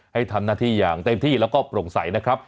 ให้ทำหน้าที่อย่างเต็มที่แล้วก็โปร่งใสนะครับ